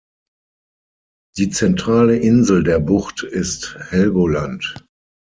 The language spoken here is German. Die zentrale Insel der Bucht ist Helgoland.